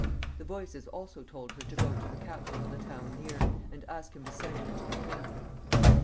The voices also told her to go to the captain of the town near, and ask him to send her to the king.